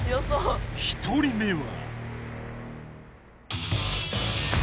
１人目は。